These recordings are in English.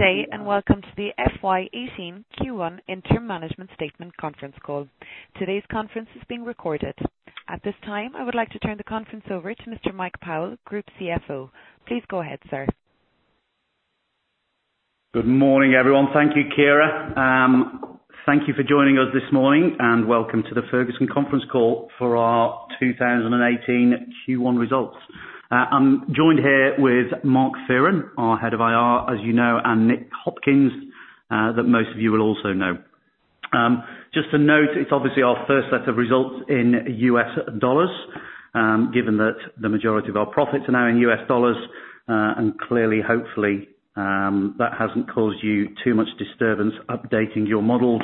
Good day and welcome to the FY 2018 Q1 Interim Management Statement Conference Call. Today's conference is being recorded. At this time, I would like to turn the conference over to Mike Powell, Group CFO. Please go ahead, sir. Good morning, everyone. Thank you, [Kira]. Thank you for joining us this morning, welcome to the Ferguson conference call for our 2018 Q1 results. I'm joined here with Mark Fearon, our head of IR, as you know, and Nick Hopkins, that most of you will also know. Just to note, it's obviously our first set of results in U.S. dollars, given that the majority of our profits are now in U.S. dollars. Clearly, hopefully, that hasn't caused you too much disturbance updating your models.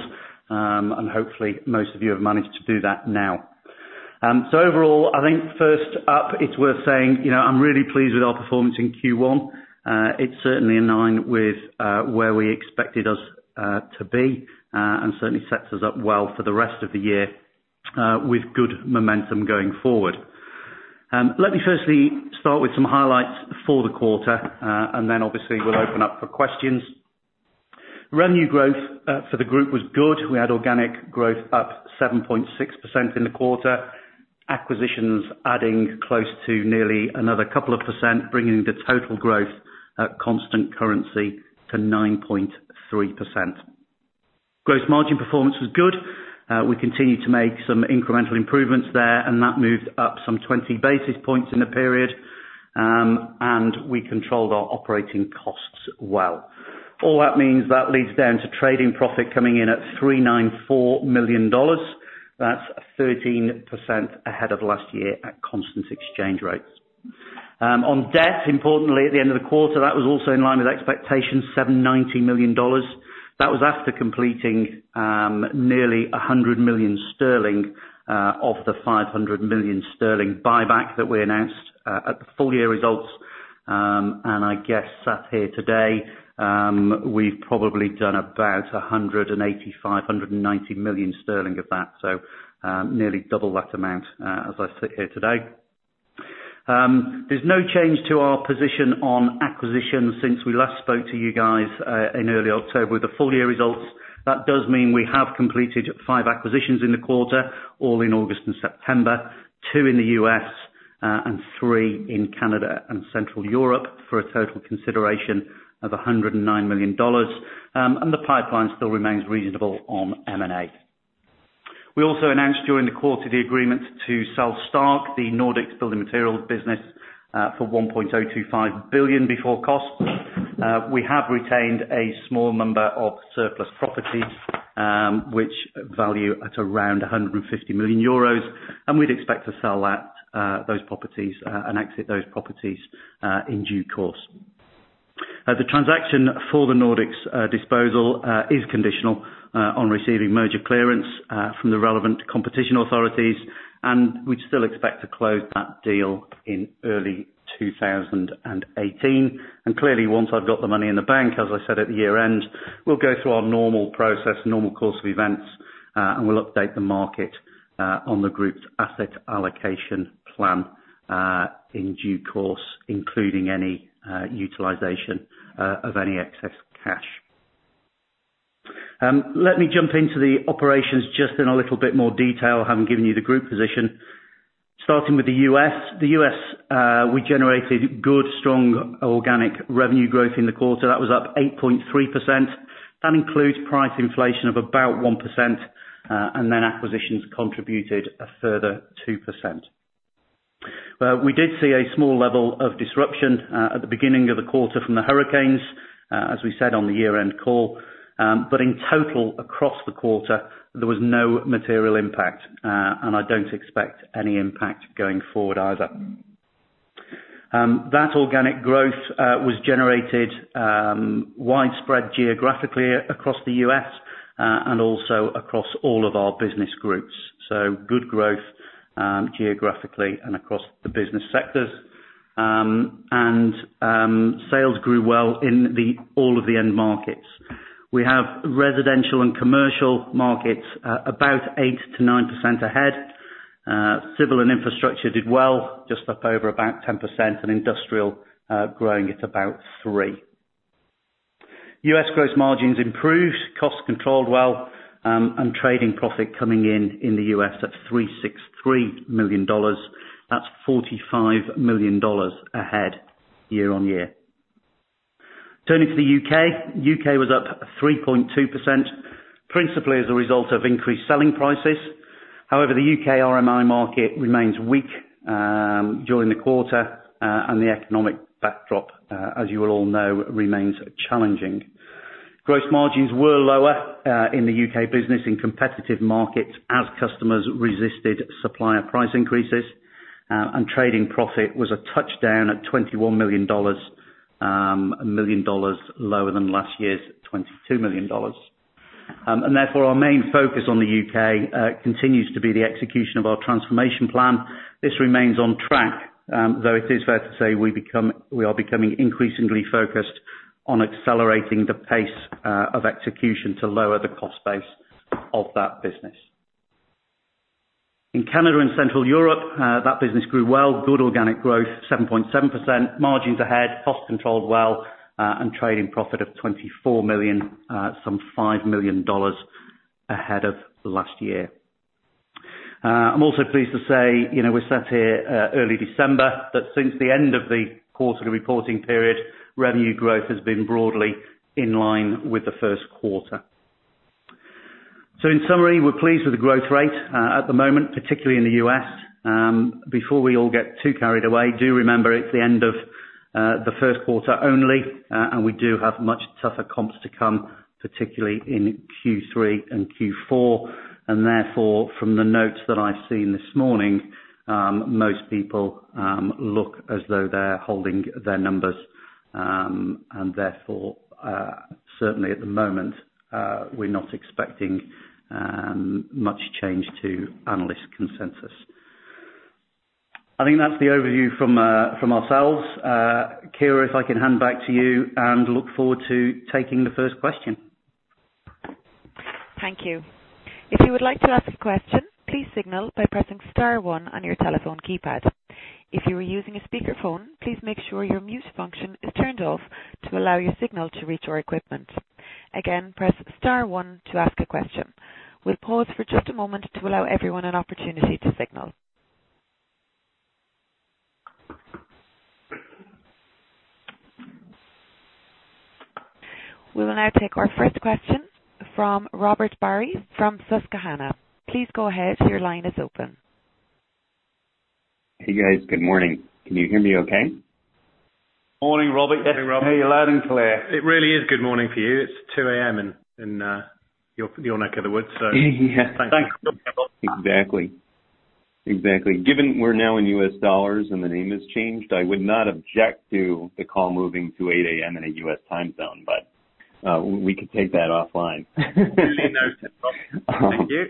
Hopefully, most of you have managed to do that now. Overall, I think first up, it's worth saying, I'm really pleased with our performance in Q1. It's certainly in line with where we expected us to be, and certainly sets us up well for the rest of the year, with good momentum going forward. Let me firstly start with some highlights for the quarter, then obviously we'll open up for questions. Revenue growth for the group was good. We had organic growth up 7.6% in the quarter. Acquisitions adding close to nearly another couple of percent, bringing the total growth at constant currency to 9.3%. Gross margin performance was good. We continue to make some incremental improvements there, and that moved up some 20 basis points in the period. We controlled our operating costs well. All that means, that leads down to trading profit coming in at $394 million. That's 13% ahead of last year at constant exchange rates. On debt, importantly, at the end of the quarter, that was also in line with expectations, $790 million. That was after completing nearly 100 million sterling of the 500 million sterling buyback that we announced at the full year results. I guess sat here today, we've probably done about 185 million-190 million sterling of that. Nearly double that amount as I sit here today. There's no change to our position on acquisitions since we last spoke to you guys in early October with the full year results. That does mean we have completed five acquisitions in the quarter, all in August and September, two in the U.S., and three in Canada and Central Europe, for a total consideration of $109 million. The pipeline still remains reasonable on M&A. We also announced during the quarter the agreement to sell Stark, the Nordics building materials business, for $1.025 billion before cost. We have retained a small number of surplus property, which value at around 150 million euros, we'd expect to sell those properties, and exit those properties in due course. The transaction for the Nordics disposal is conditional on receiving merger clearance from the relevant competition authorities. We'd still expect to close that deal in early 2018. Clearly, once I've got the money in the bank, as I said at the year-end, we'll go through our normal process, normal course of events, and we'll update the market on the group's asset allocation plan in due course, including any utilization of any excess cash. Let me jump into the operations just in a little bit more detail, having given you the group position. Starting with the U.S. The U.S. we generated good, strong organic revenue growth in the quarter. That was up 8.3%. That includes price inflation of about 1%, and then acquisitions contributed a further 2%. We did see a small level of disruption at the beginning of the quarter from the hurricanes, as we said on the year-end call. In total, across the quarter, there was no material impact, and I don't expect any impact going forward either. That organic growth was generated widespread geographically across the U.S., and also across all of our business groups. Good growth geographically and across the business sectors. Sales grew well in all of the end markets. We have residential and commercial markets about 8%-9% ahead. Civil and infrastructure did well, just up over about 10%, and industrial growing at about three. U.S. gross margins improved, costs controlled well, and trading profit coming in in the U.S. at $363 million. That's $45 million ahead year-on-year. Turning to the U.K. U.K. was up 3.2%, principally as a result of increased selling prices. However, the U.K. RMI market remains weak during the quarter. The economic backdrop, as you will all know, remains challenging. Gross margins were lower in the U.K. business in competitive markets as customers resisted supplier price increases. Trading profit was a touchdown at $21 million, $1 million lower than last year's $22 million. Therefore, our main focus on the U.K. continues to be the execution of our transformation plan. This remains on track, though it is fair to say we are becoming increasingly focused on accelerating the pace of execution to lower the cost base of that business. In Canada and Central Europe, that business grew well. Good organic growth, 7.7%, margins ahead, costs controlled well, and trading profit of $24 million, some $5 million ahead of last year. I'm also pleased to say, we're set here early December, that since the end of the quarter reporting period, revenue growth has been broadly in line with the first quarter. In summary, we're pleased with the growth rate at the moment, particularly in the U.S. Before we all get too carried away, do remember it's the end of the first quarter only, and we do have much tougher comps to come, particularly in Q3 and Q4. Therefore, from the notes that I've seen this morning, most people look as though they're holding their numbers. Therefore, certainly at the moment, we're not expecting much change to analyst consensus. I think that's the overview from ourselves. Ciara, if I can hand back to you and look forward to taking the first question. Thank you. If you would like to ask a question, please signal by pressing star one on your telephone keypad. If you are using a speakerphone, please make sure your mute function is turned off to allow your signal to reach our equipment. Again, press star one to ask a question. We'll pause for just a moment to allow everyone an opportunity to signal. We will now take our first question from Robert Barry from Susquehanna. Please go ahead. Your line is open. Hey, guys. Good morning. Can you hear me okay? Morning, Robert. Morning, Robert. You're loud and clear. It really is good morning for you. It's 2:00 A.M. in your neck of the woods, so thanks for coming on. Exactly. Exactly. Given we're now in US dollars and the name has changed, I would not object to the call moving to 8:00 A.M. in a U.S. time zone, but we can take that offline. We'll bear that in mind, Robert. Thank you.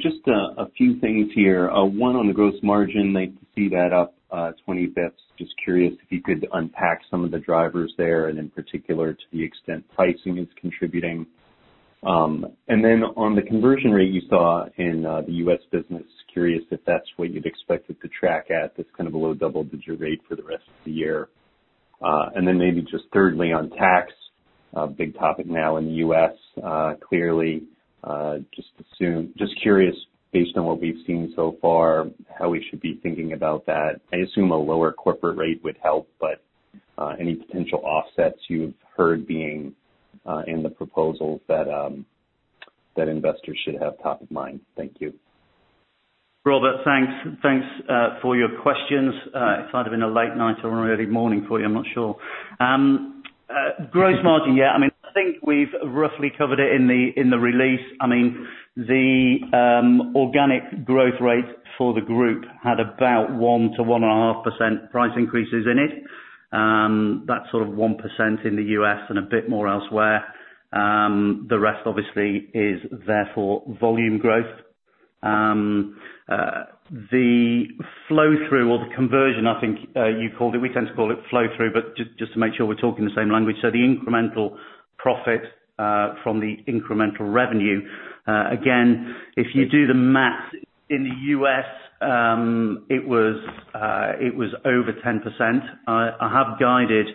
Just a few things here. One, on the gross margin, nice to see that up 20 basis points. Just curious if you could unpack some of the drivers there and in particular to the extent pricing is contributing. On the conversion rate you saw in the U.S. business, curious if that's what you'd expect it to track at this kind of a low double-digit rate for the rest of the year. Maybe just thirdly on tax, a big topic now in the U.S. clearly. Just curious based on what we've seen so far, how we should be thinking about that. I assume a lower corporate rate would help, but any potential offsets you've heard being in the proposals that investors should have top of mind? Thank you. Robert, thanks. Thanks for your questions. It's either been a late night or an early morning for you, I'm not sure. Gross margin, I think we've roughly covered it in the release. The organic growth rate for the group had about 1%-1.5% price increases in it. That's sort of 1% in the U.S. and a bit more elsewhere. The rest obviously is therefore volume growth. The flow-through or the conversion, I think, you called it, we tend to call it flow-through, but just to make sure we're talking the same language. The incremental profit from the incremental revenue. Again, if you do the math in the U.S., it was over 10%. I have guided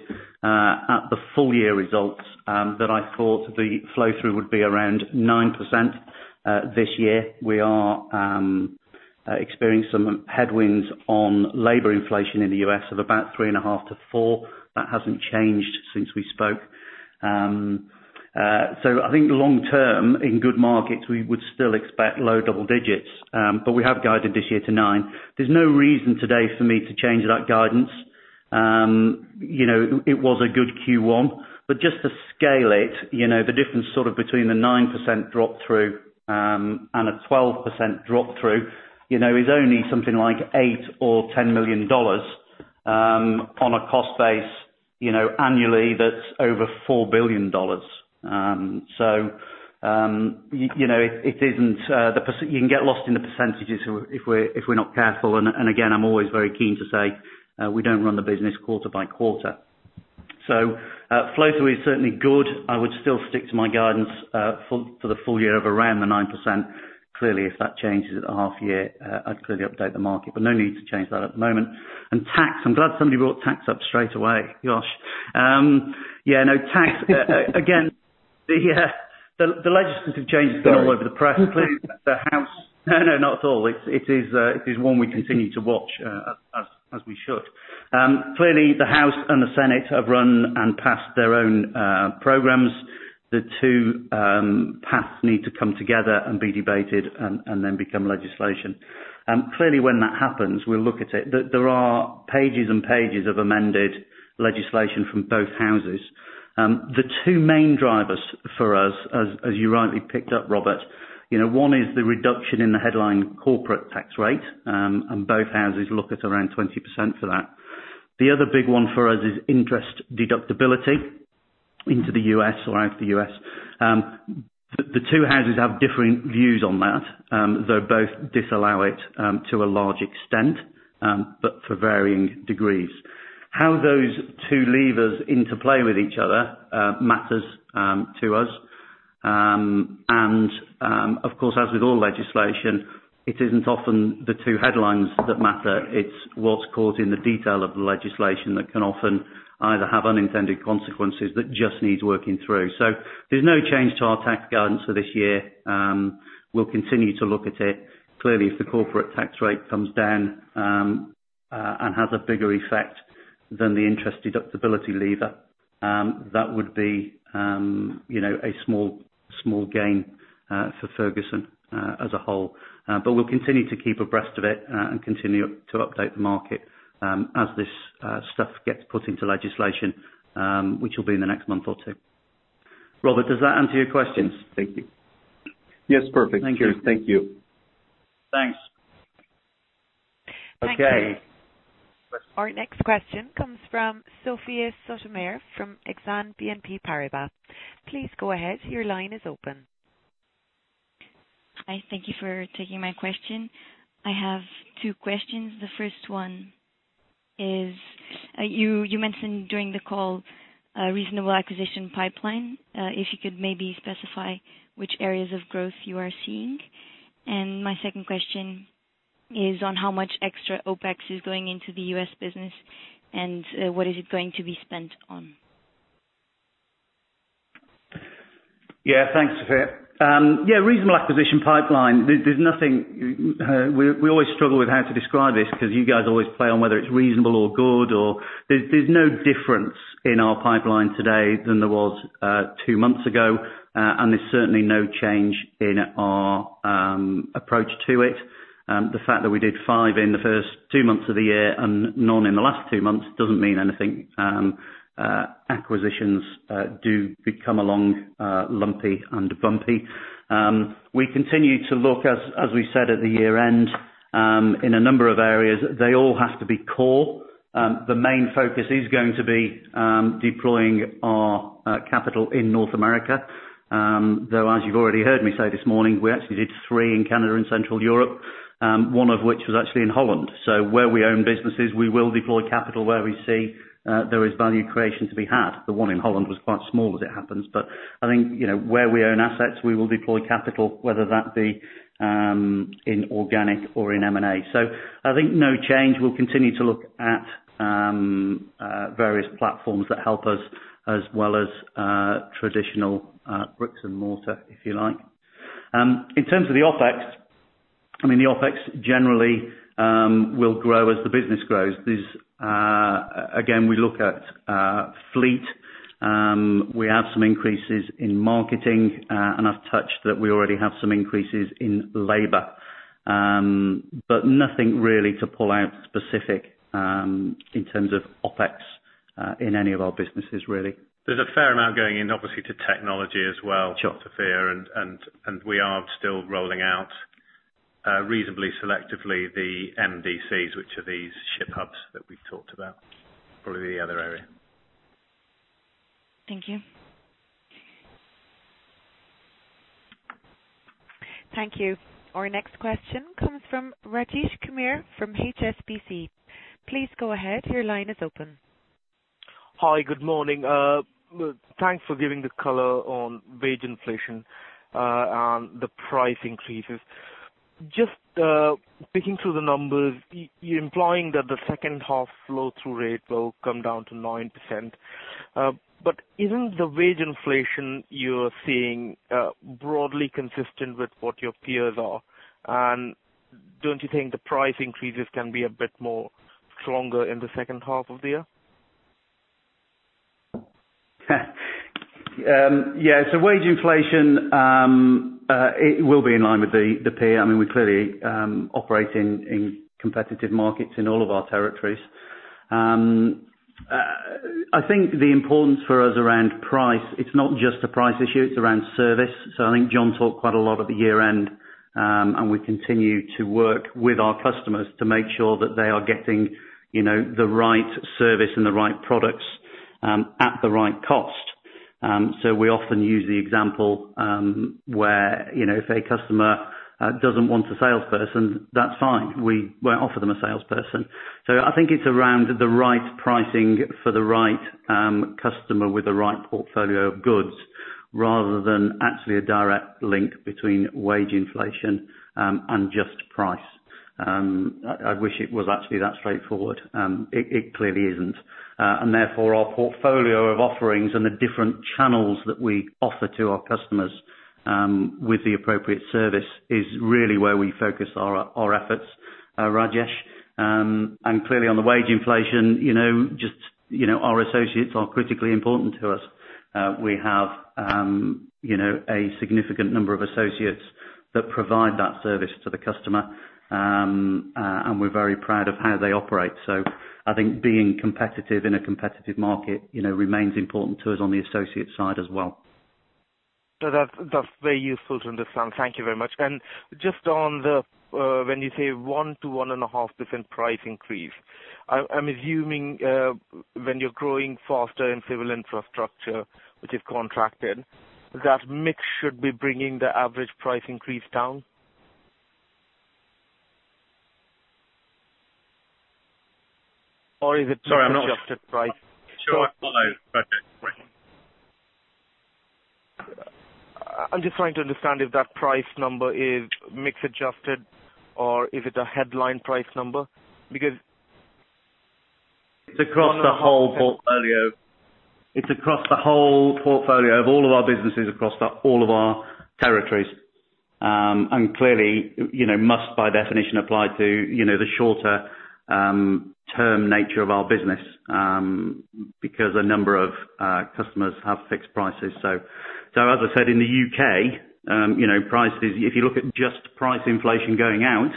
at the full year results that I thought the flow-through would be around 9% this year. We are experiencing some headwinds on labor inflation in the U.S. of about 3.5%-4%. That hasn't changed since we spoke. I think long term in good markets, we would still expect low double digits. We have guided this year to 9. There's no reason today for me to change that guidance. It was a good Q1, but just to scale it, the difference between the 9% drop-through and a 12% drop-through is only something like $8 million or $10 million on a cost base annually that's over $4 billion. You can get lost in the percentages if we're not careful. Again, I'm always very keen to say we don't run the business quarter by quarter. Flow-through is certainly good. I would still stick to my guidance for the full year of around the 9%. Clearly, if that changes at the half year, I'd clearly update the market, but no need to change that at the moment. Tax, I'm glad somebody brought tax up straight away. Tax. Again, the legislative change has been all over the press. Clearly, No, no, not at all. It is one we continue to watch as we should. Clearly, the House and the Senate have run and passed their own programs. The two paths need to come together and be debated and then become legislation. Clearly, when that happens, we'll look at it. There are pages and pages of amended legislation from both Houses. The two main drivers for us, as you rightly picked up, Robert, one is the reduction in the headline corporate tax rate, and both Houses look at around 20% for that. The other big one for us is interest deductibility into the U.S. or out of the U.S. The two Houses have differing views on that. They both disallow it to a large extent but for varying degrees. How those two levers interplay with each other matters to us. Of course, as with all legislation, it isn't often the two headlines that matter, it's what's caught in the detail of the legislation that can often either have unintended consequences that just need working through. There's no change to our tax guidance for this year. We'll continue to look at it. Clearly, if the corporate tax rate comes down and has a bigger effect than the interest deductibility lever, that would be a small gain for Ferguson as a whole. We'll continue to keep abreast of it and continue to update the market as this stuff gets put into legislation, which will be in the next month or two. Robert, does that answer your question? Yes. Thank you. Yes. Perfect. Thank you. Thank you. Thanks. Okay. Thank you. Our next question comes from Sophie Szu-Yin Ku from AXA BNP Paribas. Please go ahead. Your line is open. Hi, thank you for taking my question. I have two questions. The first one is, you mentioned during the call a reasonable acquisition pipeline. If you could maybe specify which areas of growth you are seeing. My second question is on how much extra OpEx is going into the U.S. business, and what is it going to be spent on? Yeah, thanks, Sophie. Reasonable acquisition pipeline. We always struggle with how to describe this because you guys always play on whether it's reasonable or good or There's no difference in our pipeline today than there was two months ago. There's certainly no change in our approach to it. The fact that we did five in the first two months of the year and none in the last two months doesn't mean anything. Acquisitions do become along lumpy and bumpy. We continue to look, as we said at the year-end, in a number of areas, they all have to be core. The main focus is going to be deploying our capital in North America. Though, as you've already heard me say this morning, we actually did three in Canada and Central Europe, one of which was actually in Holland. Where we own businesses, we will deploy capital where we see there is value creation to be had. The one in Holland was quite small as it happens, I think where we own assets, we will deploy capital, whether that be in organic or in M&A. I think no change. We'll continue to look at various platforms that help us as well as traditional bricks and mortar, if you like. In terms of the OpEx, the OpEx generally will grow as the business grows. Again, we look at fleet. We have some increases in marketing, and I've touched that we already have some increases in labor. Nothing really to pull out specific in terms of OpEx in any of our businesses, really. There's a fair amount going in, obviously, to technology as well. Sure Sophie, we are still rolling out reasonably selectively the MDCs, which are these ship hubs that we've talked about. Probably the other area. Thank you. Thank you. Our next question comes from Rajesh Kumar from HSBC. Please go ahead. Your line is open. Hi. Good morning. Thanks for giving the color on wage inflation and the price increases. Just picking through the numbers, you are implying that the second half flow through rate will come down to 9%. Isn't the wage inflation you are seeing broadly consistent with what your peers are? Don't you think the price increases can be a bit more stronger in the second half of the year? Yeah. Wage inflation, it's in line with the peer. We clearly operate in competitive markets in all of our territories. I think the importance for us around price, it's not just a price issue, it's around service. I think John talked quite a lot at the year-end, we continue to work with our customers to make sure that they are getting the right service and the right products at the right cost. We often use the example where if a customer doesn't want a salesperson, that's fine. We won't offer them a salesperson. I think it's around the right pricing for the right customer with the right portfolio of goods rather than actually a direct link between wage inflation and just price. I wish it was actually that straightforward. It clearly isn't. Therefore, our portfolio of offerings and the different channels that we offer to our customers, with the appropriate service, is really where we focus our efforts, Rajesh. Clearly on the wage inflation, our associates are critically important to us. We have a significant number of associates that provide that service to the customer, we're very proud of how they operate. I think being competitive in a competitive market remains important to us on the associate side as well. That's very useful to understand. Thank you very much. Just on the when you say 1%-1.5% different price increase, I'm assuming when you're growing faster in civil infrastructure, which is contracted, that mix should be bringing the average price increase down? Or is it? Sorry, I'm not. Adjusted price? Sure. Perfect. Great. I'm just trying to understand if that price number is mix adjusted or is it a headline price number? It's across the whole portfolio. It's across the whole portfolio of all of our businesses across all of our territories. Clearly, must by definition apply to the shorter term nature of our business, because a number of customers have fixed prices. As I said, in the U.K., prices, if you look at just price inflation going out,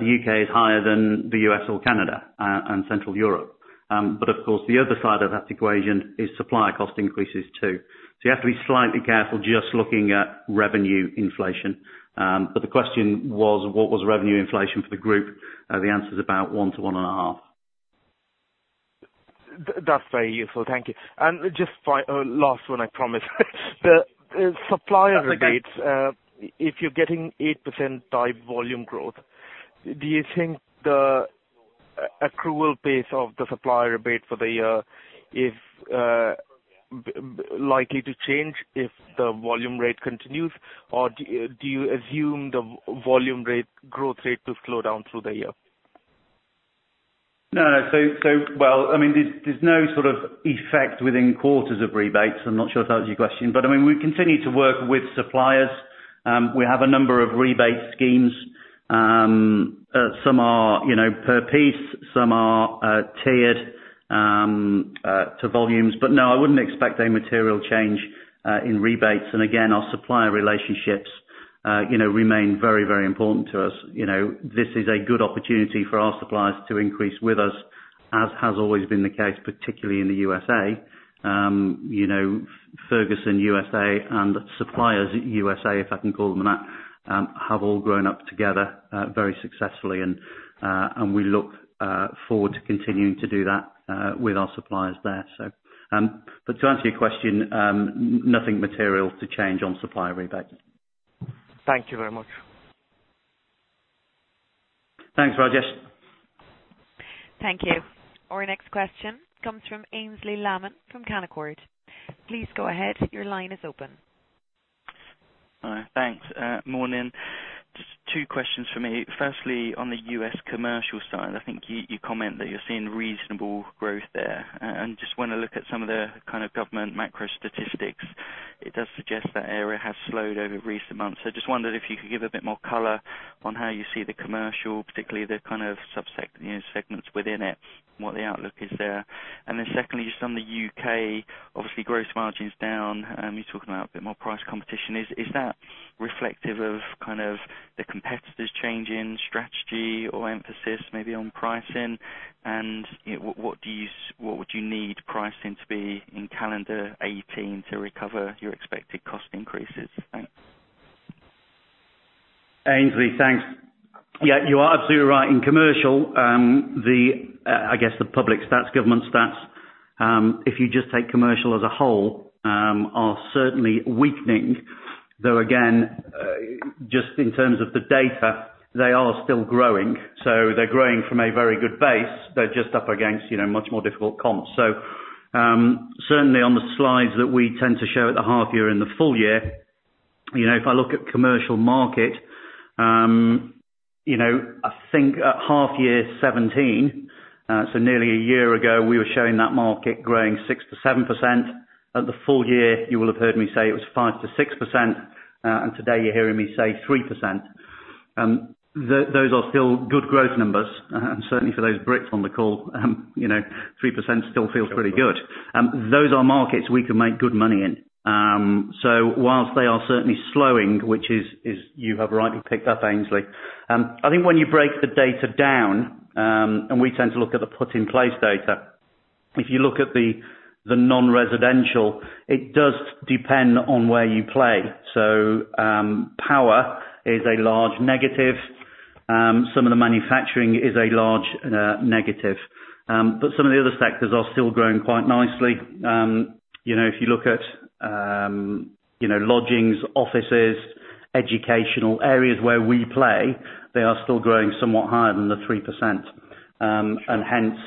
the U.K. is higher than the U.S. or Canada and Central Europe. Of course, the other side of that equation is supplier cost increases too. You have to be slightly careful just looking at revenue inflation. The question was, what was revenue inflation for the group? The answer is about one to one and a half. That's very useful. Thank you. Just last one, I promise. The supplier rebates, if you're getting 8% type volume growth, do you think the accrual pace of the supplier rebate for the year is likely to change if the volume rate continues, or do you assume the volume growth rate to slow down through the year? No. Well, there's no sort of effect within quarters of rebates. I'm not sure if that was your question. We continue to work with suppliers. We have a number of rebate schemes. Some are per piece, some are tiered to volumes. No, I wouldn't expect any material change in rebates. Again, our supplier relationships remain very, very important to us. This is a good opportunity for our suppliers to increase with us, as has always been the case, particularly in the U.S.A. Ferguson U.S.A. and suppliers at U.S.A., if I can call them that, have all grown up together very successfully and we look forward to continuing to do that with our suppliers there. To answer your question, nothing material to change on supplier rebates. Thank you very much. Thanks, Rajesh. Thank you. Our next question comes from Aynsley Lammin from Canaccord. Please go ahead. Your line is open. Hi. Thanks. Morning. Just two questions from me. Firstly, on the U.S. commercial side, I think you comment that you're seeing reasonable growth there. Just want to look at some of the kind of government macro statistics, it does suggest that area has slowed over recent months. Just wondered if you could give a bit more color on how you see the commercial, particularly the kind of sub segments within it and what the outlook is there. Secondly, just on the U.K., obviously gross margin's down. You're talking about a bit more price competition. Is that reflective of kind of the competitors changing strategy or emphasis maybe on pricing, and what would you need pricing to be in calendar 2018 to recover your expected cost increases? Thanks. Aynsley, thanks. You are absolutely right. In commercial, I guess the public stats, government stats, if you just take commercial as a whole, are certainly weakening, though again, just in terms of the data, they are still growing. They're growing from a very good base. They're just up against much more difficult comps. Certainly on the slides that we tend to show at the half year and the full year, if I look at commercial market, I think at half year 2017, so nearly a year ago, we were showing that market growing 6%-7%. At the full year, you will have heard me say it was 5%-6%, and today you're hearing me say 3%. Those are still good growth numbers. Certainly for those Brits on the call, 3% still feels pretty good. Those are markets we can make good money in. Whilst they are certainly slowing, which you have rightly picked up, Aynsley, I think when you break the data down, and we tend to look at the Put in Place data, if you look at the non-residential, it does depend on where you play. Power is a large negative. Some of the manufacturing is a large negative. Some of the other sectors are still growing quite nicely. If you look at lodgings, offices, educational areas where we play, they are still growing somewhat higher than the 3%. Hence,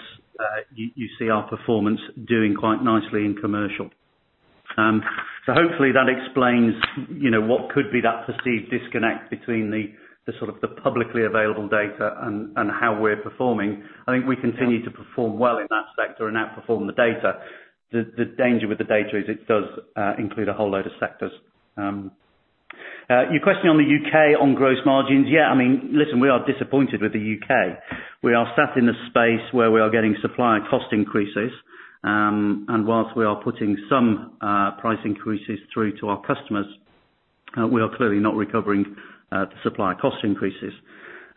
you see our performance doing quite nicely in commercial. Hopefully that explains what could be that perceived disconnect between the publicly available data and how we're performing. I think we continue to perform well in that sector and outperform the data. The danger with the data is it does include a whole load of sectors. Your question on the U.K. on gross margins. Listen, we are disappointed with the U.K. We are sat in a space where we are getting supplier cost increases. Whilst we are putting some price increases through to our customers, we are clearly not recovering the supplier cost increases.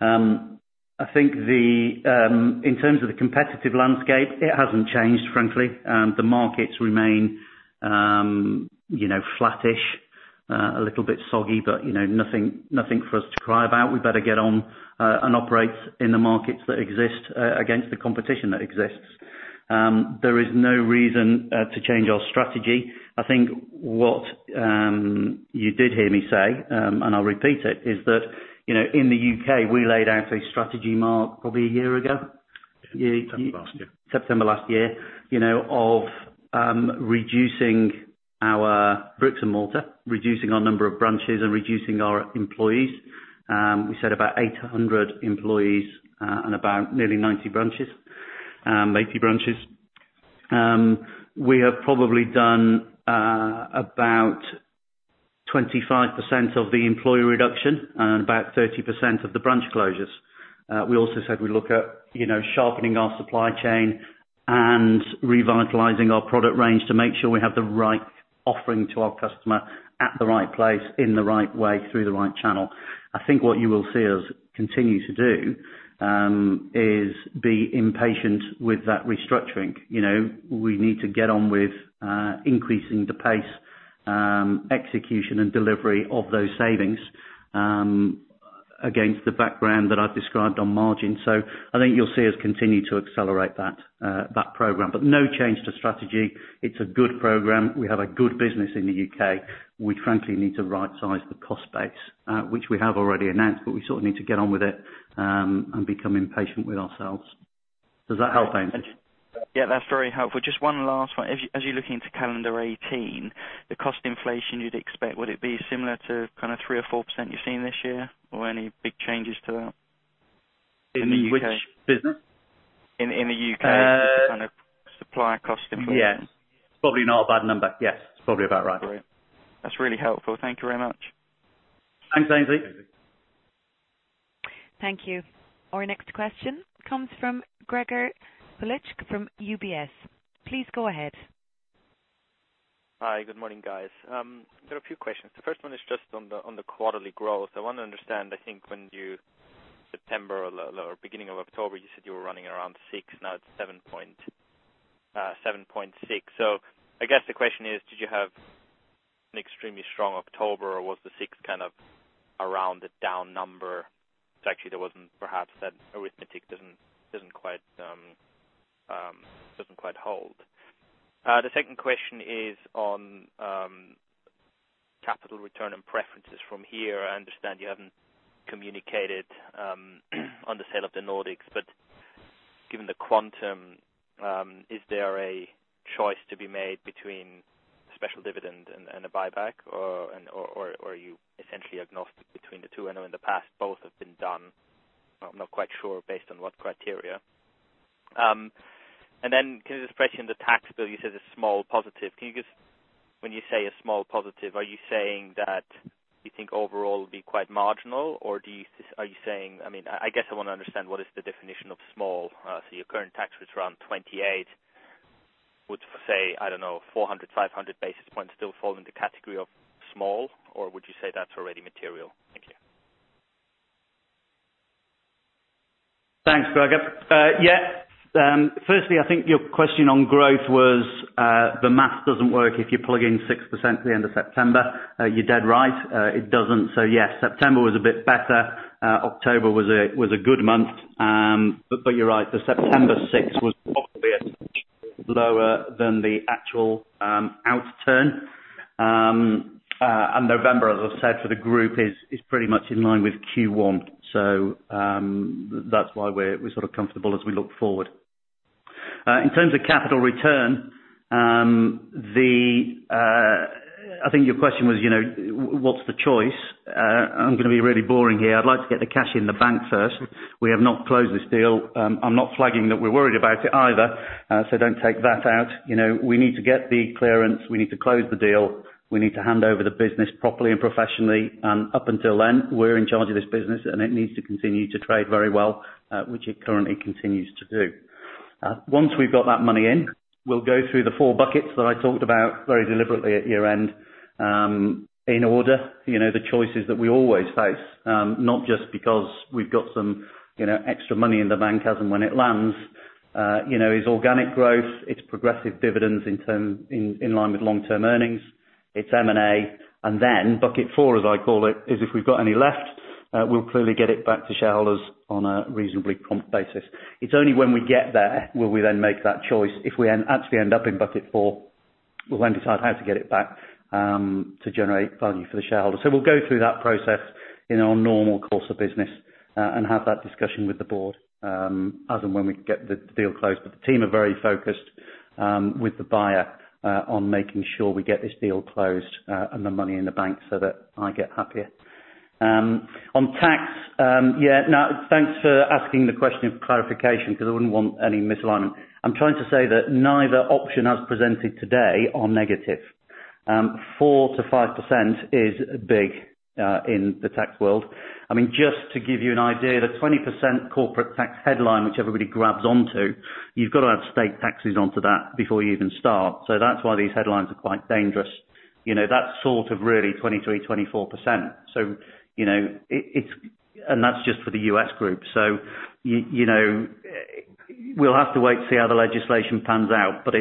I think in terms of the competitive landscape, it hasn't changed, frankly. The markets remain flattish, a little bit soggy, nothing for us to cry about. We better get on and operate in the markets that exist against the competition that exists. There is no reason to change our strategy. I think what you did hear me say, and I'll repeat it, is that, in the U.K., we laid out a strategy, Mark, probably a year ago. Yes. September last year. September last year, of reducing our bricks and mortar, reducing our number of branches, and reducing our employees. We said about 800 employees, and about nearly 90 branches, 80 branches. We have probably done about 25% of the employee reduction and about 30% of the branch closures. We also said we look at sharpening our supply chain and revitalizing our product range to make sure we have the right offering to our customer at the right place, in the right way, through the right channel. I think what you will see us continue to do, is be impatient with that restructuring. We need to get on with increasing the pace, execution, and delivery of those savings, against the background that I've described on margin. I think you'll see us continue to accelerate that program. No change to strategy. It's a good program. We have a good business in the U.K. We frankly need to right-size the cost base, which we have already announced, but we sort of need to get on with it, and become impatient with ourselves. Does that help, Aynsley? Yeah, that's very helpful. Just one last one. As you're looking into calendar 2018, the cost inflation you'd expect, would it be similar to kind of 3% or 4% you've seen this year? Any big changes to that in the U.K.? In which business? In the U.K. Just the kind of supply cost influence. Yes. Probably not a bad number. Yes, it's probably about right. Great. That's really helpful. Thank you very much. Thanks, Aynsley Lammin. Thank you. Our next question comes from Gregor Kuglitsch from UBS. Please go ahead. Hi. Good morning, guys. There are a few questions. The first one is just on the quarterly growth. I want to understand, I think when you, September or beginning of October, you said you were running around six, now it's 7.6. I guess the question is, did you have an extremely strong October, or was the six kind of around the down number? Actually, there wasn't perhaps that arithmetic doesn't quite hold. The second question is on capital return and preferences from here. I understand you haven't communicated, on the sale of the Nordics. Given the quantum, is there a choice to be made between special dividend and a buyback? Are you essentially agnostic between the two? I know in the past both have been done. I'm not quite sure based on what criteria. Can you just question the tax bill, you said is a small positive. When you say a small positive, are you saying that you think overall it'll be quite marginal? I guess I want to understand what is the definition of small. Your current tax was around 28%. Would say, I don't know, 400, 500 basis points still fall in the category of small? Would you say that's already material? Thank you. Thanks, Gregor. Your question on growth was, the math doesn't work if you plug in 6% at the end of September. You're dead right, it doesn't. Yes, September was a bit better. October was a good month. You're right, the September 6 was probably a lower than the actual outturn. November, as I've said, for the group, is pretty much in line with Q1. That's why we're sort of comfortable as we look forward. In terms of capital return, I think your question was, what's the choice? I'm going to be really boring here. I'd like to get the cash in the bank first. We have not closed this deal. I'm not flagging that we're worried about it either, so don't take that out. We need to get the clearance. We need to close the deal. We need to hand over the business properly and professionally. Up until then, we're in charge of this business, and it needs to continue to trade very well, which it currently continues to do. Once we've got that money in, we'll go through the 4 buckets that I talked about very deliberately at year-end, in order, the choices that we always face, not just because we've got some extra money in the bank as and when it lands, is organic growth, it's progressive dividends in line with long-term earnings. It's M&A. Bucket 4, as I call it, is if we've got any left, we'll clearly get it back to shareholders on a reasonably prompt basis. It's only when we get there will we then make that choice. If we actually end up in bucket 4, we'll then decide how to get it back, to generate value for the shareholder. We'll go through that process in our normal course of business, and have that discussion with the board, as and when we get the deal closed. The team are very focused, with the buyer, on making sure we get this deal closed, and the money in the bank so that I get happier. On tax, thanks for asking the question of clarification because I wouldn't want any misalignment. I'm trying to say that neither option as presented today are negative. 4% to 5% is big in the tax world. Just to give you an idea, the 20% corporate tax headline, which everybody grabs onto, you've got to add state taxes onto that before you even start. That's why these headlines are quite dangerous. That's sort of really 23%-24%. That's just for the U.S. group. We'll have to wait to see how the legislation pans out, but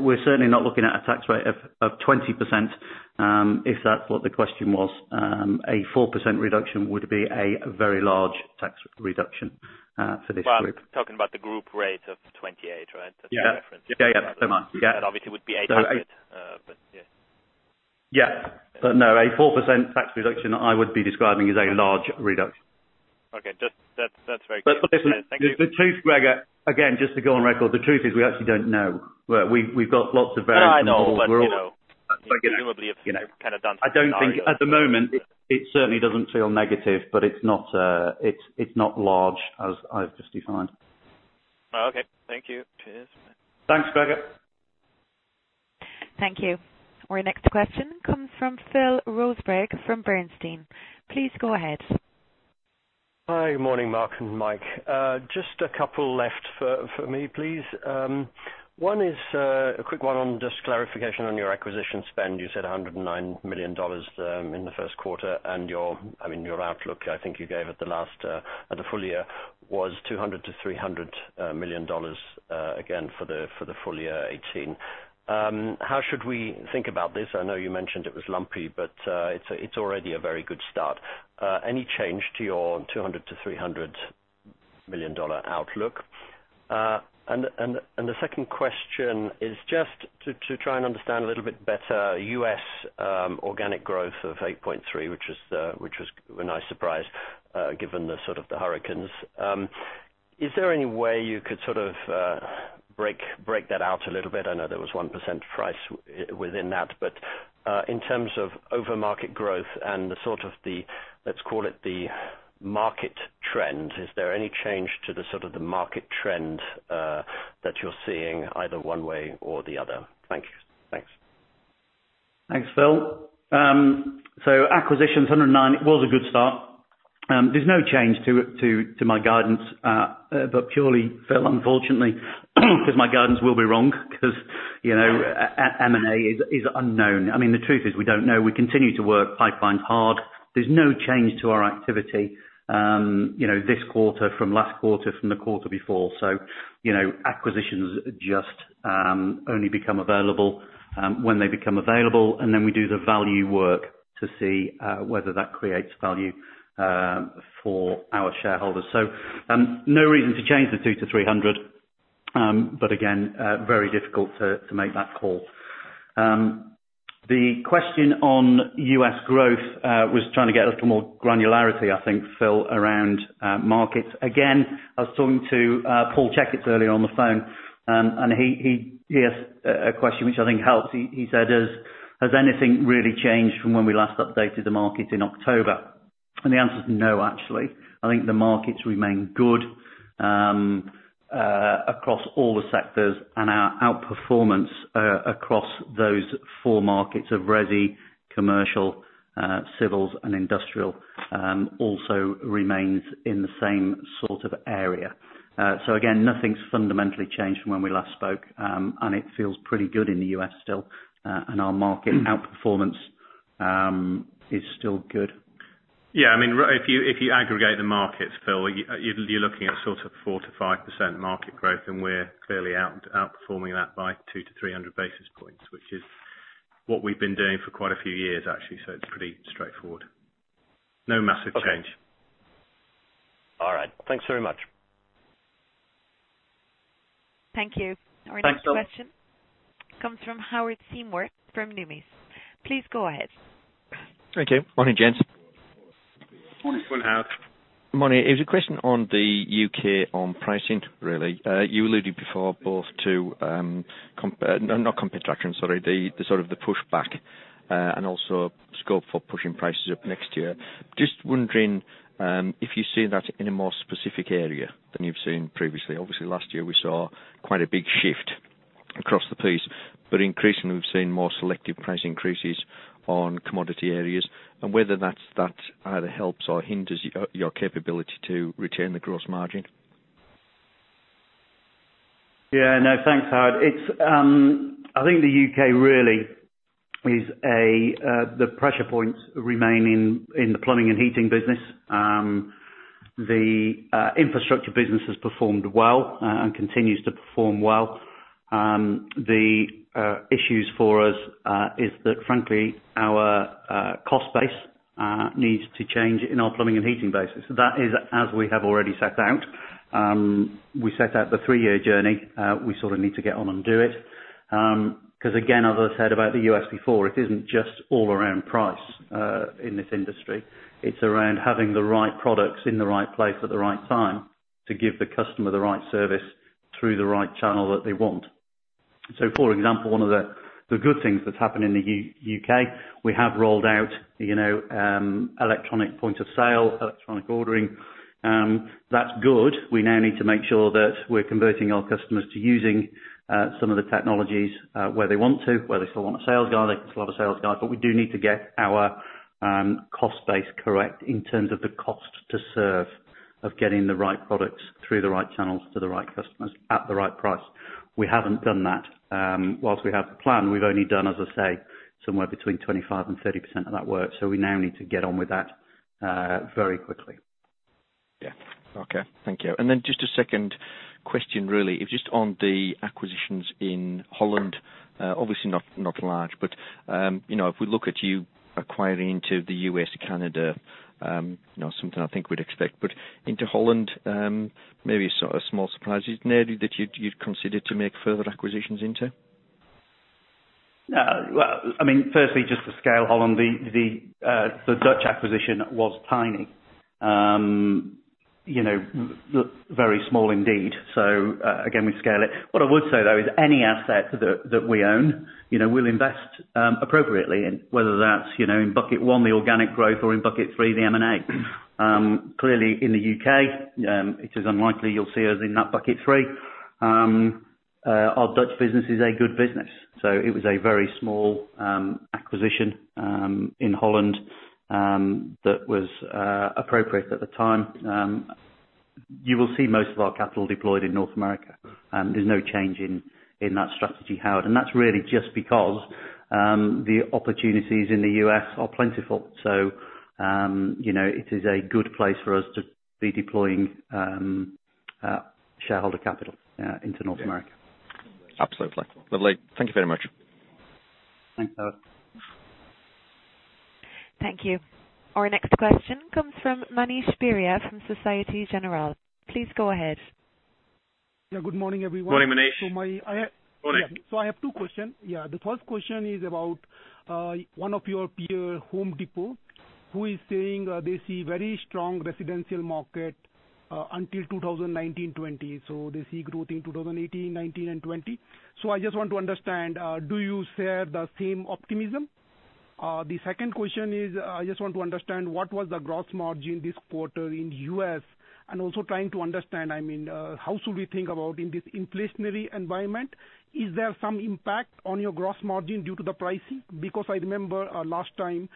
we're certainly not looking at a tax rate of 20%, if that's what the question was. A 4% reduction would be a very large tax reduction for this group. Well, I'm talking about the group rate of 28, right? That's the reference. Yeah. So much. Yeah. That obviously would be 800. Yeah. No, a 4% tax reduction, I would be describing as a large reduction. Okay. That's very clear. Thank you. Listen, the truth, Gregor, again, just to go on record, the truth is we actually don't know. We've got lots of variance in the global world. I know, presumably you've kind of done some scenario planning. At the moment, it certainly doesn't feel negative, it's not large as I've just defined. Okay. Thank you. Cheers. Thanks, Gregor. Thank you. Our next question comes from Phil Rosenberg from Bernstein. Please go ahead. Hi. Morning, Mark and Mike. Just a couple left for me, please. One is a quick one on just clarification on your acquisition spend. You said $109 million in the first quarter, and your outlook, I think you gave at the full year, was $200 million-$300 million, again, for the full year 2018. How should we think about this? I know you mentioned it was lumpy, but it is already a very good start. Any change to your $200 million-$300 million outlook? The second question is just to try and understand a little bit better, U.S. organic growth of 8.3%, which was a nice surprise, given the hurricanes. Is there any way you could break that out a little bit? I know there was 1% price within that. In terms of over-market growth and the, let's call it the market trend, is there any change to the market trend that you're seeing, either one way or the other? Thank you. Thanks. Thanks, Phil. Acquisitions, 109. It was a good start. There's no change to my guidance. Purely, Phil, unfortunately, because my guidance will be wrong because M&A is unknown. The truth is, we don't know. We continue to work pipelines hard. There's no change to our activity this quarter from last quarter from the quarter before. Acquisitions just only become available when they become available, and then we do the value work to see whether that creates value for our shareholders. No reason to change the 200-300, but again, very difficult to make that call. The question on U.S. growth, was trying to get a little more granularity, I think, Phil, around markets. Again, I was talking to Paul Checketts earlier on the phone, and he asked a question which I think helps. He said, "Has anything really changed from when we last updated the market in October?" The answer is no, actually. I think the markets remain good across all the sectors, and our outperformance across those four markets of resi, commercial, civils, and industrial, also remains in the same sort of area. Again, nothing's fundamentally changed from when we last spoke, and it feels pretty good in the U.S. still. Our market outperformance is still good. Yeah. If you aggregate the markets, Phil, you're looking at 4%-5% market growth, and we're clearly outperforming that by 200-300 basis points, which is what we've been doing for quite a few years, actually. It's pretty straightforward. No massive change. Okay. All right. Thanks very much. Thank you. Thanks, Phil. Our next question comes from Howard Seymour from Numis. Please go ahead. Thank you. Morning, gents. Morning. Morning, Howard. Morning. It was a question on the U.K. on pricing, really. Also scope for pushing prices up next year. Just wondering if you see that in a more specific area than you've seen previously. Obviously, last year we saw quite a big shift across the piece, increasingly we've seen more selective price increases on commodity areas, whether that either helps or hinders your capability to retain the gross margin. Yeah. No, thanks, Howard. I think the U.K., really, the pressure points remain in the plumbing and heating business. The infrastructure business has performed well and continues to perform well. The issues for us is that, frankly, our cost base needs to change in our plumbing and heating basis. That is as we have already set out. We set out the three-year journey. We sort of need to get on and do it. Again, as I said about the U.S. before, it isn't just all around price in this industry. It's around having the right products in the right place at the right time to give the customer the right service through the right channel that they want. For example, one of the good things that's happened in the U.K., we have rolled out electronic point of sale, electronic ordering. That's good. We now need to make sure that we're converting our customers to using some of the technologies where they want to. Where they still want a sales guy, they can still have a sales guy. We do need to get our cost base correct in terms of the cost to serve, of getting the right products through the right channels to the right customers at the right price. We haven't done that. Whilst we have the plan, we've only done, as I say, somewhere between 25% and 30% of that work. We now need to get on with that very quickly. Yeah. Okay. Thank you. Just a second question, really, is just on the acquisitions in Holland. Obviously not large, if we look at you acquiring into the U.S., Canada, something I think we'd expect, into Holland, maybe a small surprise. Is it an area that you'd consider to make further acquisitions into? Well, firstly, just the scale, Holland, the Dutch acquisition was tiny. Very small indeed. Again, we scale it. What I would say, though, is any asset that we own, we'll invest appropriately in, whether that's in bucket 1, the organic growth, or in bucket 3, the M&A. Clearly in the U.K., it is unlikely you'll see us in that bucket 3. Our Dutch business is a good business. It was a very small acquisition in Holland that was appropriate at the time. You will see most of our capital deployed in North America. There's no change in that strategy, Howard. That's really just because the opportunities in the U.S. are plentiful. It is a good place for us to be deploying shareholder capital into North America. Absolutely. Lovely. Thank you very much. Thanks, Howard. Thank you. Our next question comes from Manish Beria from Societe Generale. Please go ahead. Yeah. Good morning, everyone. Good morning, Manish. So my- Morning. Yeah. I have two question. Yeah. The first question is about one of your peer, The Home Depot, who is saying they see very strong residential market until 2019-20. They see growth in 2018, 2019 and 2020. I just want to understand, do you share the same optimism? The second question is, I just want to understand what was the gross margin this quarter in the U.S. and also trying to understand, how should we think about in this inflationary environment? Is there some impact on your gross margin due to the pricing? Because I remember last time,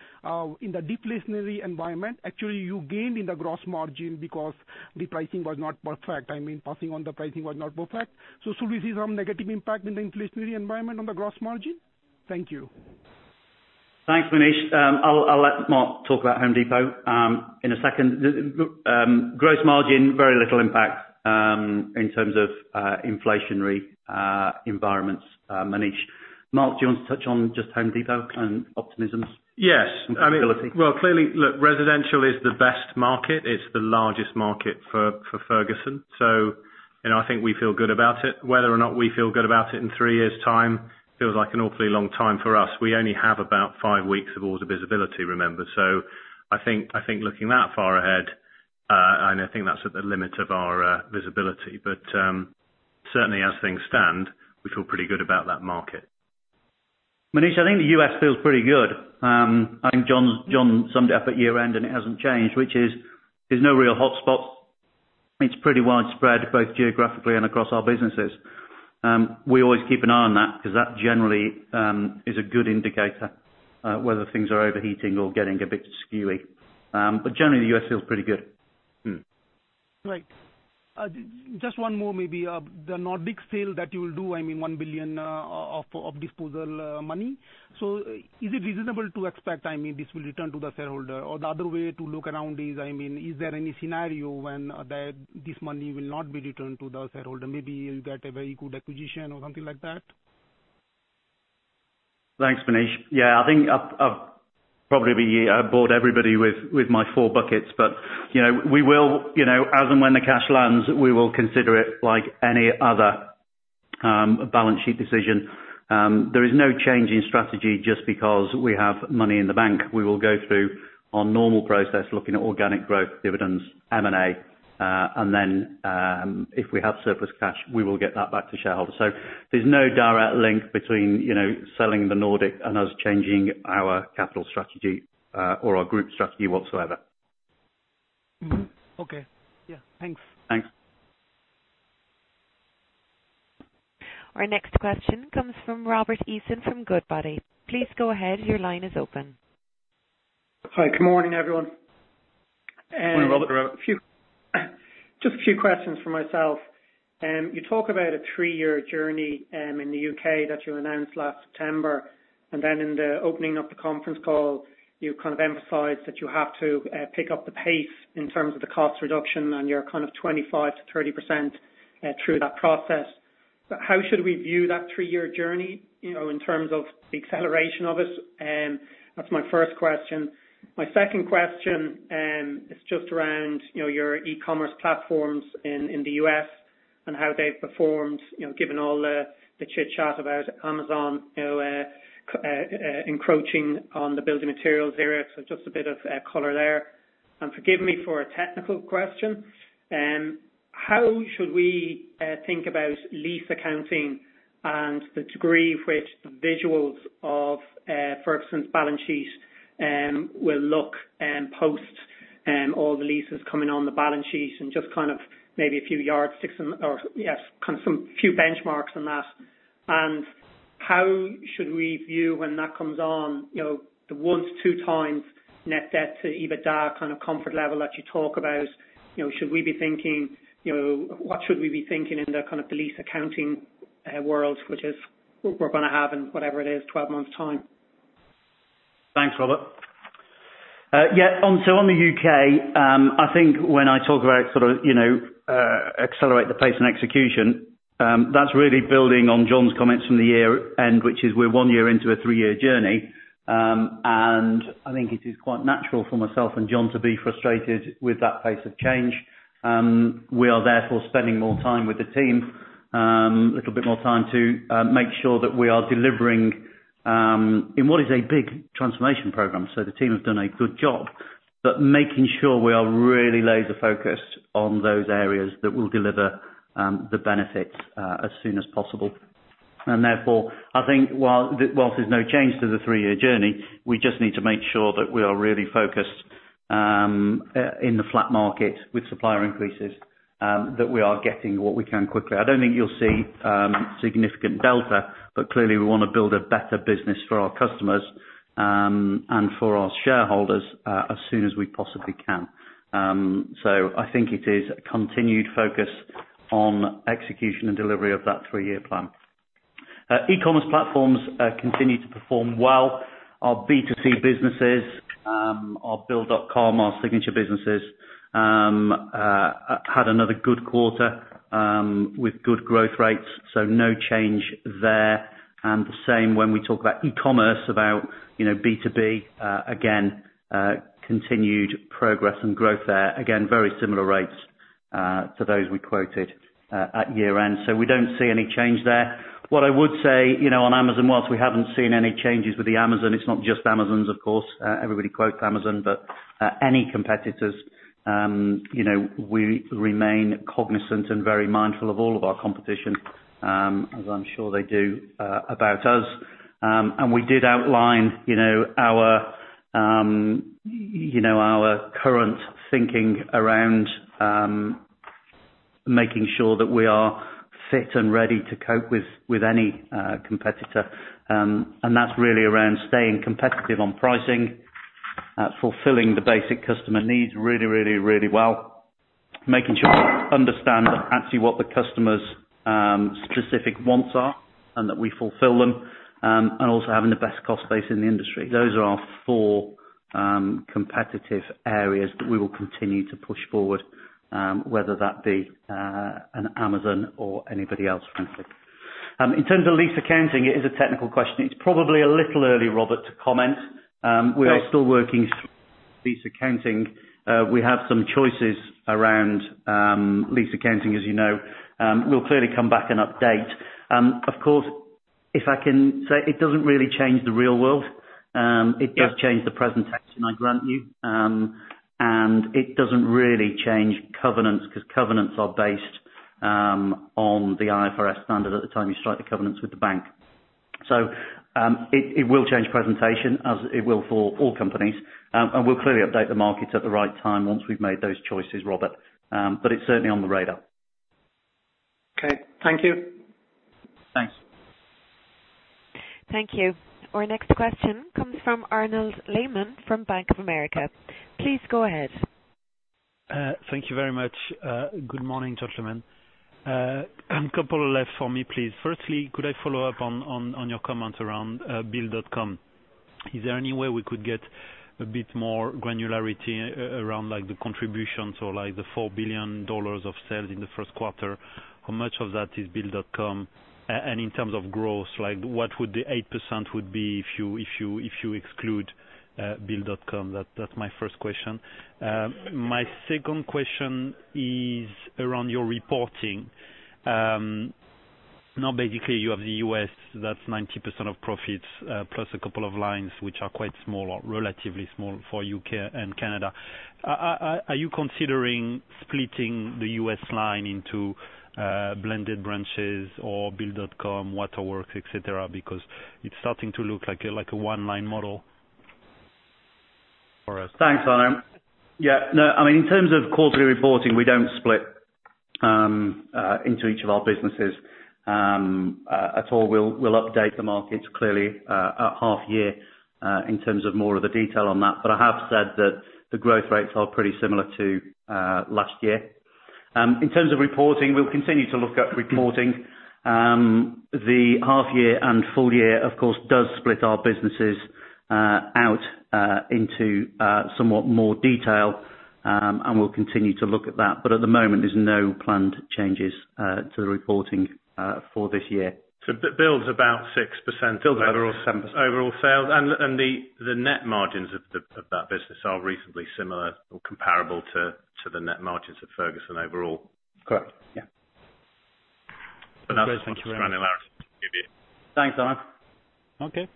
in the deflationary environment, actually, you gained in the gross margin because the pricing was not perfect. Passing on the pricing was not perfect. Should we see some negative impact in the inflationary environment on the gross margin? Thank you. Thanks, Manish. I'll let Mark talk about The Home Depot in a second. Gross margin, very little impact, in terms of inflationary environments, Manish. Mark, do you want to touch on just The Home Depot and optimisms? Yes. Capability. Well, clearly, look, residential is the best market. It's the largest market for Ferguson. I think we feel good about it. Whether or not we feel good about it in three years time, feels like an awfully long time for us. We only have about five weeks of order visibility, remember. I think looking that far ahead, and I think that's at the limit of our visibility. Certainly as things stand, we feel pretty good about that market. Manish, I think the U.S. feels pretty good. I think John summed it up at year-end, and it hasn't changed, which is there's no real hotspot. It's pretty widespread, both geographically and across our businesses. We always keep an eye on that because that generally is a good indicator whether things are overheating or getting a bit skewy. Generally, the U.S. feels pretty good. Right. Just one more maybe. The Nordic sale that you will do, $1 billion of disposal money. Is it reasonable to expect this will return to the shareholder? The other way to look around is there any scenario when this money will not be returned to the shareholder? Maybe you'll get a very good acquisition or something like that? Thanks, Manish. Yeah, I think I bored everybody with my four buckets. As and when the cash lands, we will consider it like any other balance sheet decision. There is no change in strategy just because we have money in the bank. We will go through our normal process looking at organic growth dividends, M&A, and then, if we have surplus cash, we will get that back to shareholders. There's no direct link between selling the Nordic and us changing our capital strategy, or our group strategy whatsoever. Mm-hmm. Okay. Yeah. Thanks. Thanks. Our next question comes from Robert Eason from Goodbody. Please go ahead. Your line is open. Hi. Good morning, everyone. Morning, Robert. Just a few questions from myself. You talk about a three-year journey in the U.K. that you announced last September, and then in the opening of the conference call, you kind of emphasized that you have to pick up the pace in terms of the cost reduction and your kind of 25%-30% through that process. How should we view that three-year journey, in terms of the acceleration of it? That's my first question. My second question is just around your e-commerce platforms in the U.S. and how they've performed, given all the chitchat about Amazon encroaching on the building materials area. Just a bit of color there. Forgive me for a technical question. How should we think about lease accounting and the degree with which the visuals of Ferguson's balance sheet will look post all the leases coming on the balance sheet and just kind of maybe a few benchmarks on that. How should we view when that comes on, the one, two times net debt to EBITDA kind of comfort level that you talk about? What should we be thinking in the kind of the lease accounting world, which is we're going to have in whatever it is, 12 months time? Thanks, Robert. On the U.K., I think when I talk about accelerate the pace and execution, that's really building on John's comments from the year-end, which is we're one year into a three-year journey. I think it is quite natural for myself and John to be frustrated with that pace of change. We are therefore spending more time with the team to make sure that we are delivering in what is a big transformation program. The team have done a good job, but making sure we are really laser focused on those areas that will deliver the benefits as soon as possible. I think whilst there's no change to the three-year journey, we just need to make sure that we are really focused in the flat market with supplier increases, that we are getting what we can quickly. I don't think you'll see significant delta, but clearly we want to build a better business for our customers and for our shareholders as soon as we possibly can. I think it is a continued focus on execution and delivery of that three-year plan. e-commerce platforms continue to perform well. Our B2C businesses, our Build.com, our Signature Hardware businesses had another good quarter with good growth rates, so no change there. The same when we talk about e-commerce, about B2B, again, continued progress and growth there. Again, very similar rates to those we quoted at year-end. We don't see any change there. What I would say on Amazon, whilst we haven't seen any changes with the Amazon, it's not just Amazon of course, everybody quotes Amazon. Any competitors we remain cognizant and very mindful of all of our competition, as I'm sure they do about us. We did outline our current thinking around making sure that we are fit and ready to cope with any competitor. That's really around staying competitive on pricing, fulfilling the basic customer needs really well, making sure we understand actually what the customer's specific wants are and that we fulfill them. Also having the best cost base in the industry. Those are our four competitive areas that we will continue to push forward, whether that be an Amazon or anybody else, frankly. In terms of lease accounting, it is a technical question. It's probably a little early, Robert, to comment. Okay. We are still working lease accounting. We have some choices around lease accounting, as you know. We'll clearly come back and update. Of course, if I can say, it doesn't really change the real world. Yeah. It does change the presentation, I grant you. It doesn't really change covenants because covenants are based on the IFRS standard at the time you strike the covenants with the bank. It will change presentation as it will for all companies. We'll clearly update the market at the right time once we've made those choices, Robert. It's certainly on the radar. Okay. Thank you. Thanks. Thank you. Our next question comes from Arnaud Lehmann from Bank of America. Please go ahead. Thank you very much. Good morning, gentlemen. A couple left for me, please. Firstly, could I follow up on your comment around Build.com? Is there any way we could get a bit more granularity around the contributions or the $4 billion of sales in the first quarter? How much of that is Build.com? In terms of growth, what would the 8% would be if you exclude Build.com? That's my first question. My second question is around your reporting. Basically you have the U.S., that's 90% of profits, plus a couple of lines which are quite small or relatively small for U.K. and Canada. Are you considering splitting the U.S. line into blended branches or Build.com, Waterworks, et cetera, because it's starting to look like a one-line model for us. Thanks, Arnaud. Yeah, no, in terms of quarterly reporting, we don't split into each of our businesses at all. We'll update the market, clearly, at half year in terms of more of the detail on that. I have said that the growth rates are pretty similar to last year. In terms of reporting, we'll continue to look at reporting. The half year and full year, of course, does split our businesses out into somewhat more detail, and we'll continue to look at that. At the moment, there's no planned changes to the reporting for this year. Build's about 6% of overall- Build's about 7% overall sales, the net margins of that business are reasonably similar or comparable to the net margins of Ferguson overall. Correct. Yeah. Great. Thank you very much. Thanks, Arnaud. Okay.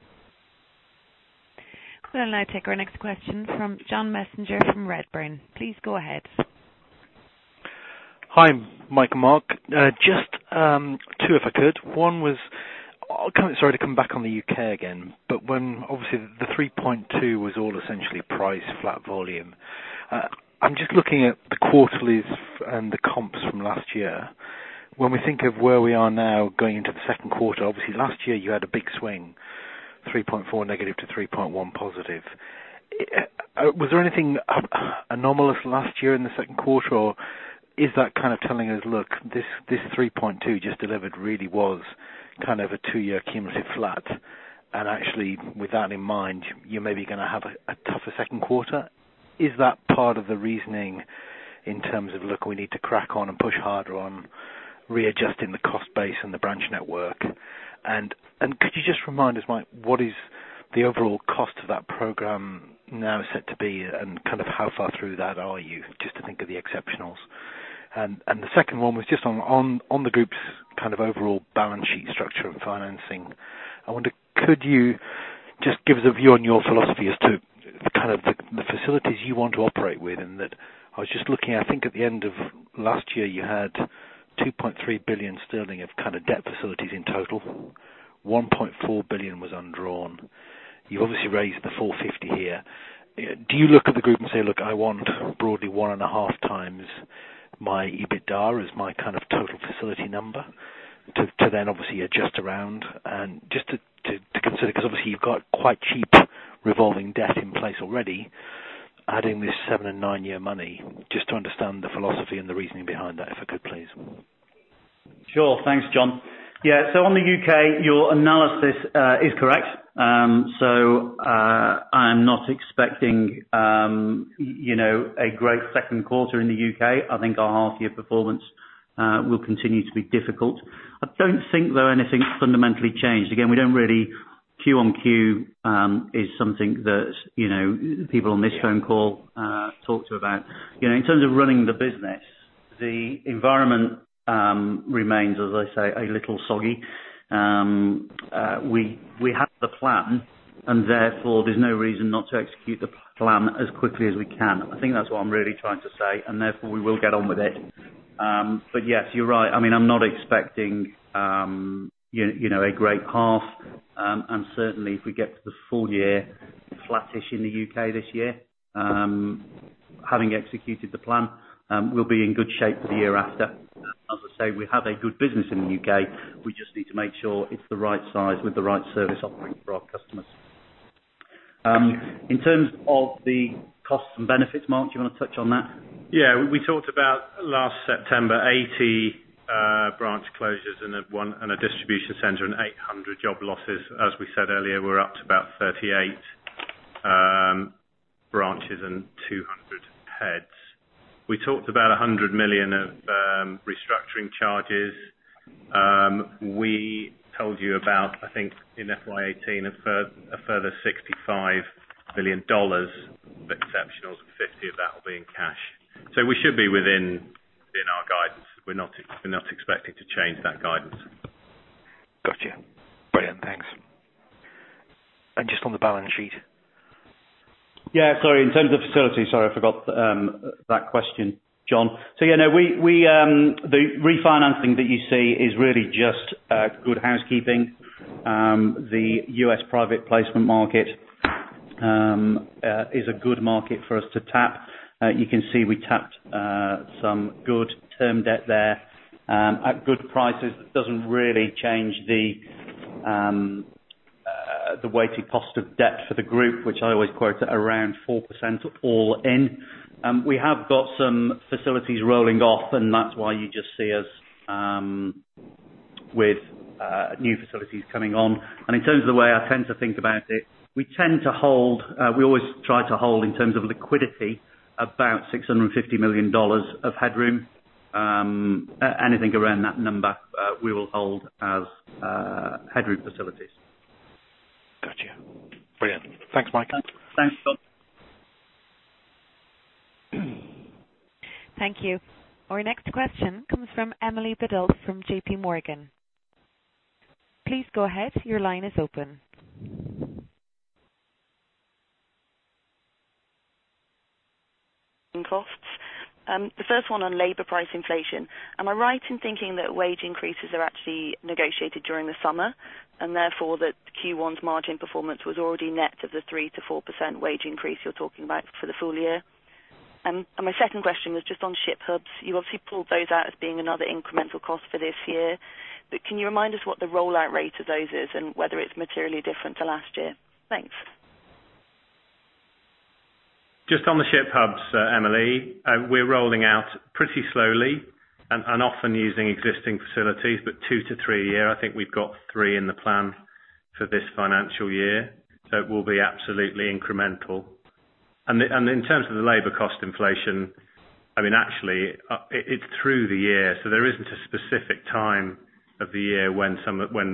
We'll now take our next question from John Messenger from Redburn. Please go ahead. Hi, Mike and Mark. Just two, if I could. One was, sorry to come back on the U.K. again, when obviously the 3.2 was all essentially price flat volume. I'm just looking at the quarterlies and the comps from last year. When we think of where we are now going into the second quarter, obviously last year you had a big swing, 3.4 negative to 3.1 positive. Was there anything anomalous last year in the second quarter, or is that kind of telling us, look, this 3.2 just delivered really was kind of a two-year cumulative flat, and actually with that in mind, you're maybe going to have a tougher second quarter? Is that part of the reasoning in terms of, look, we need to crack on and push harder on readjusting the cost base and the branch network? Could you just remind us, Mike, what The overall cost of that program now is set to be, and how far through that are you, just to think of the exceptionals? The second one was just on the group's overall balance sheet structure and financing. I wonder, could you just give us a view on your philosophy as to the kind of facilities you want to operate with? That I was just looking, I think at the end of last year you had 2.3 billion sterling of debt facilities in total, 1.4 billion was undrawn. You obviously raised 450 million here. Do you look at the group and say, look, I want broadly one and a half times my EBITDA as my total facility number, to then obviously adjust around and just to consider, because obviously you've got quite cheap revolving debt in place already, adding this seven and nine-year money, just to understand the philosophy and the reasoning behind that, if I could, please. Sure. Thanks, John. On the U.K., your analysis is correct. I am not expecting a great second quarter in the U.K. I think our half year performance will continue to be difficult. I don't think, though, anything's fundamentally changed. Again, we don't really quarter-on-quarter, is something that people on this phone call talk to about. In terms of running the business, the environment remains, as I say, a little soggy. We have the plan, there's no reason not to execute the plan as quickly as we can. I think that's what I'm really trying to say, we will get on with it. Yes, you're right. I'm not expecting a great half, and certainly if we get to the full year flattish in the U.K. this year, having executed the plan, we'll be in good shape for the year after. As I say, we have a good business in the U.K. We just need to make sure it's the right size with the right service offering for our customers. In terms of the costs and benefits, Mark, do you want to touch on that? We talked about last September, 80 branch closures and a distribution center and 800 job losses. As we said earlier, we're up to about 38 branches and 200 heads. We talked about $100 million of restructuring charges. We told you about, I think in FY 2018, a further $65 million exceptionals, and $50 of that will be in cash. We should be within our guidance. We're not expected to change that guidance. Got you. Brilliant. Thanks. Just on the balance sheet. Yeah, sorry. In terms of facilities, sorry, I forgot that question, John. Yeah, the refinancing that you see is really just good housekeeping. The U.S. private placement market is a good market for us to tap. You can see we tapped some good term debt there at good prices. That doesn't really change the weighted cost of debt for the group, which I always quote at around 4% all in. We have got some facilities rolling off, and that's why you just see us with new facilities coming on. In terms of the way I tend to think about it, we always try to hold, in terms of liquidity, about $650 million of headroom. Anything around that number we will hold as headroom facilities. Got you. Brilliant. Thanks, Mike. Thanks, John. Thank you. Our next question comes from Emily Biddulph from JP Morgan. Please go ahead. Your line is open. costs. The first one on labor price inflation. Am I right in thinking that wage increases are actually negotiated during the summer, and therefore that Q1's margin performance was already net of the 3%-4% wage increase you're talking about for the full year? My second question was just on ship hubs. You obviously pulled those out as being another incremental cost for this year, but can you remind us what the rollout rate of those is and whether it's materially different to last year? Thanks. Just on the ship hubs, Emily, we're rolling out pretty slowly and often using existing facilities, but two to three a year. I think we've got three in the plan for this financial year. It will be absolutely incremental. In terms of the labor cost inflation, actually it's through the year, so there isn't a specific time of the year when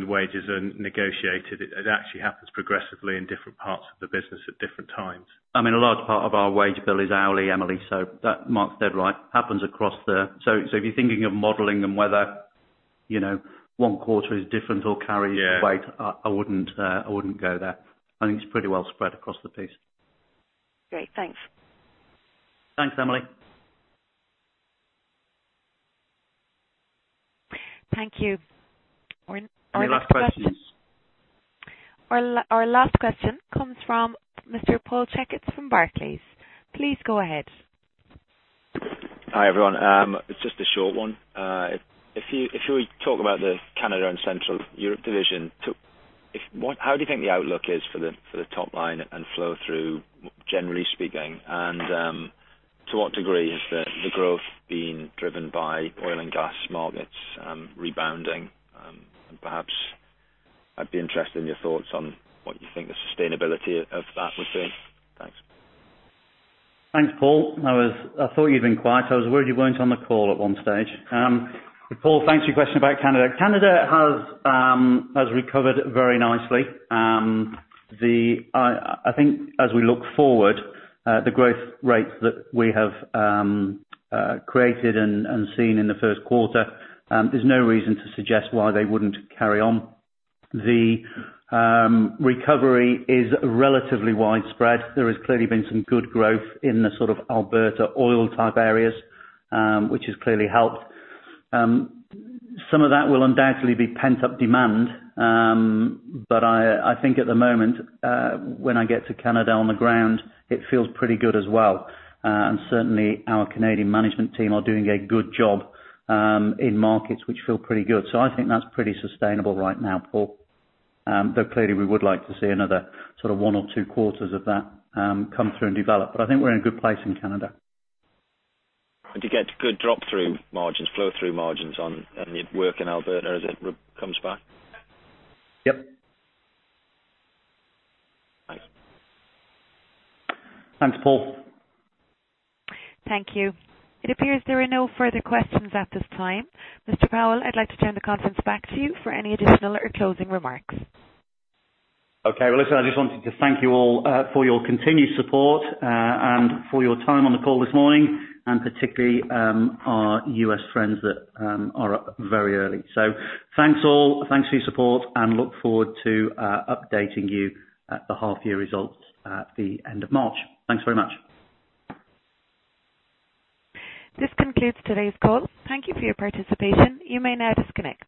wages are negotiated. It actually happens progressively in different parts of the business at different times. A large part of our wage bill is hourly, Emily, Mark's dead right. Happens across there. If you're thinking of modeling them whether one quarter is different. Yeah weight, I wouldn't go there. I think it's pretty well spread across the piece. Great. Thanks. Thanks, Emily. Thank you. Our Any last questions? Our last question comes from Mr. Paul Checketts from Barclays. Please go ahead. Hi, everyone. It's just a short one. If we talk about the Canada and Central Europe division, how do you think the outlook is for the top line and flow through, generally speaking? To what degree has the growth been driven by oil and gas markets rebounding? Perhaps I'd be interested in your thoughts on what you think the sustainability of that would be. Thanks. Thanks, Paul. I thought you'd been quiet. I was worried you weren't on the call at 1 stage. Paul, thanks for your question about Canada. Canada has recovered very nicely. I think as we look forward, the growth rates that we have created and seen in the first quarter, there's no reason to suggest why they wouldn't carry on. The recovery is relatively widespread. There has clearly been some good growth in the Alberta oil type areas, which has clearly helped. Some of that will undoubtedly be pent-up demand, but I think at the moment, when I get to Canada on the ground, it feels pretty good as well. Certainly our Canadian management team are doing a good job, in markets which feel pretty good. I think that's pretty sustainable right now, Paul, but clearly we would like to see another one or two quarters of that come through and develop. I think we're in a good place in Canada. Do you get good drop-through margins, flow-through margins on your work in Alberta as it comes back? Yep. Thanks. Thanks, Paul. Thank you. It appears there are no further questions at this time. Mr. Powell, I'd like to turn the conference back to you for any additional or closing remarks. Okay. Well, listen, I just wanted to thank you all for your continued support, for your time on the call this morning, particularly our U.S. friends that are up very early. Thanks, all. Thanks for your support, look forward to updating you at the half year results at the end of March. Thanks very much. This concludes today's call. Thank you for your participation. You may now disconnect.